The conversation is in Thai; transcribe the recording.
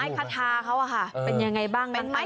ไม้พัทธาเขาค่ะเป็นยังไงบ้างมันอลังการ